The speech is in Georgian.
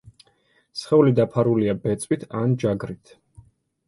სხეული დაფარულია ბეწვით ან ჯაგრით.